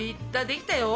できたよ。